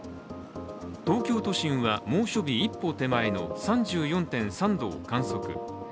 東京都心は猛暑日一歩手前の３４．３度を観測。